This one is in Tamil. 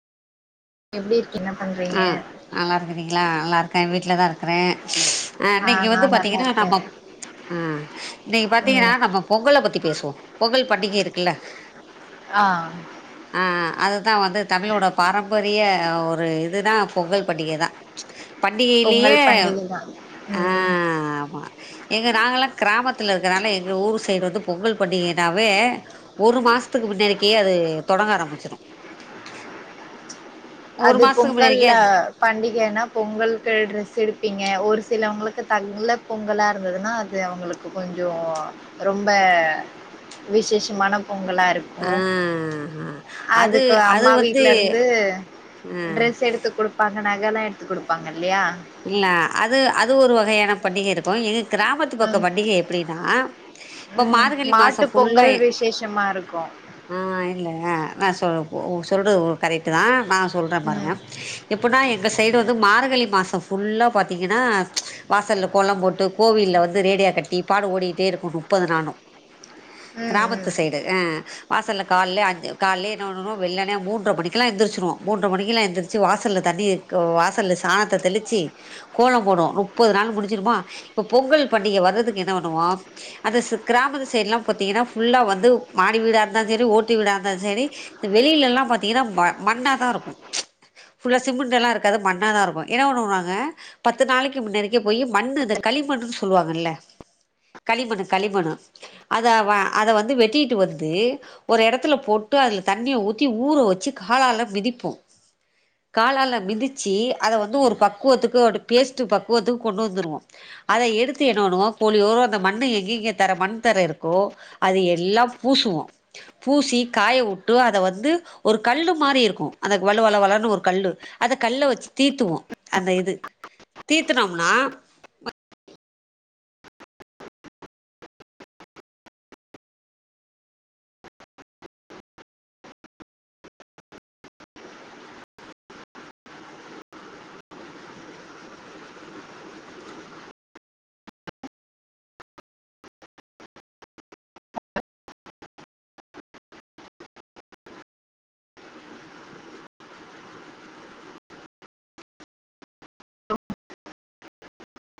வைங்க ம் நல்லா இருக்குறீங்களா நல்லா இருக்க வீட்லதா இருக்கற அ ஆ நீங்க நா வந்து நல்லா பாத்தீங்கன்னா இருக்கே நம்ம ஆ இன்னைக்கு பாத்தீங்கன்னா ம் நம்ம பொங்கல பத்தி பேசுவோ பொங்கல் பண்டிகை இருக்குல்ல அஹ் ஆஹ் அதுதா வந்து தமிழோட பாரம்பரிய ஒரு இதுதா பொங்கல் பண்டிக தா பொங்கல் பண்டிகையிலேயே பண்டிகை தா ம் அஹ் ஆமா எங்க நாங்கள்லா கிராமத்தில இருக்கறனால எங்கள் ஊர் சைடு வந்து பொங்கல் பண்டிகைனாவே ஒரு மாசத்துக்கு முன்னடிக்கே அது தொடங்க ஆரம்பிச்சிரு ஒரு அது மாசத்துக்கு பொங்கல்ல முன்னாடிக்கே பண்டிகைன்னா பொங்களுக்கு டிரெஸ் எடுப்பிங்க ஒரு சிலவங்களுக்கு தல பொங்கலா இருந்ததுன்னா அது அவங்களுக்கு கொஞ்சோ ரொம்ப விசேஷமான பொங்கலா இருக் ஆ ஓ ஹா அது அதுக்கு அது அம்மா வந்து வீட்ல இருந்து ஆ ட்ரெஸ் எடுத்து குடுப்பாங்க நகல்லா எடுத்து கொடுப்பாங்க இல்லையா இல்ல அது அது ஒரு வகையான பண்டிகை இருக்கும் எங்க கிராமத்து பக்க ம் பண்டிகை எப்டின்னா இப்ப ம் மார்கழி மாட்டு மாசம் ஃபுல்லா பொங்கல் விசேஷமா இருக்கு அஹ் இல்ல நா சொ சொல்றது கரெக்ட் தா நா சொல்ற பாருங்க ம் எப்பன்னா எங்க சைடு வந்து மார்கழி மாசோ ஃபுல்லா பாத்திங்கன்னா வாசல்ல கோலம் போட்டு கோவில்ல வந்து ரேடியா கட்டி பாடு ஓடிட்டே இருக்கு முப்பது நாளு ம் ம் கிரமத்து சைடு அ வாசல்ல கால்ல அஞ்சு கால்லே என்ன பண்ணணு வெள்ளண்ண மூன்றமணிக்குலா எந்திர்ச்சுருவோ மூன்ற மணிக்குலா எந்திர்ச்சு வாசல்ல தண்ணியே கோ வாசல்ல சாணத்த தெளி ச்சி கோலோ போடுவோ நுப்பது நாளு முடிஞ்சிருமா இப்போ பொங்கல் பண்டிகை வர்றதுக்கு என்ன பண்ணுவோ அந்த சு கிராமத்து சைட்லா பாத்தீங்கனா ஃபுல்லா வந்து மாடி வீடா இருந்தாலு செரி ஓட்டு வீடா இருந்தாலு சரி வெளிலெல்லா பாத்தீங்கனா மா மண்ணாதா இருக்கு ஃபுல்லா சிமுண்டெல்லா இருக்காது மண்ணாதா இருக்கு என்ன பண்ணுவாங் அ பத்து நாளைக்கு முன்னாடிக்கே போயி மண்ணு இந்த களிமண்ணுன் சொல்வாங்கல்ல களிமண்ணு களிமணு அத வா அத வந்து வெட்டிட்டு வந்து ஒரு எடத்துல போட்டு அதுல தண்ணிய ஊத்தி ஊற வச்சு காலால மிதிப்போ காலால மிதிச்சு அத வந்து ஒரு பக்குவத்துக்கு ஒரு பேஸ்ட்டு பக்குவத்துகு கொண்டு வந்துருவோ அத எடுத்து என்ன பண்ணுவோ போலியோற அந்த மண்ணு எங்கெங்க தர மண் தர இருக்கோ அது எல்லா பூசுவோ பூசி காயவுட்டூ அத வந்து ஒரு கல்லு மாரி இருக்கு அந்தக் வளவள வளன்னு ஒரு கல்லு அத கல்ல வச்சு தீத்துவோ அந்த இது தீத்துனோம்னா